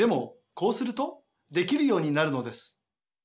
こうするとできるようになるのです。